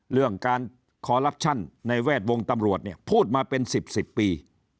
เรื่องการคอลลับชั่นในแวดวงตำรวจเนี่ยพูดมาเป็น๑๐๑๐ปี